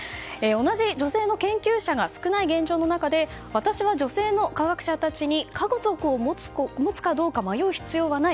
同じ女性の研究者が少ない現状の中で私は女性の科学者たちに家族を持つかどうか迷う必要はない。